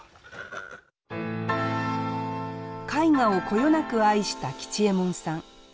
絵画をこよなく愛した吉右衛門さん。